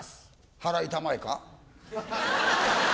ハラいたまえか？